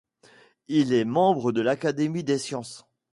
Il était membre de l'Académie des sciences.